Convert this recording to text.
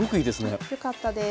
ああよかったです。